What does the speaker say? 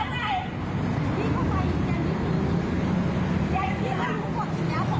ก็ไม่มีคนเข้ามาไม่มีคนเข้ามา